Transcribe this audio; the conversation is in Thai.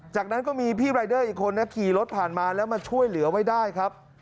จากนั้นก็มีพี่รายเดอร์อีกคนนะขี่รถผ่านมาแล้วมาช่วยเหลือไว้ได้ครับ